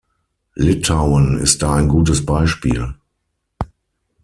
Litauen ist da ein gutes Beispiel.